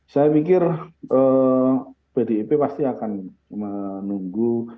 saya pikir pdip pasti akan menunggu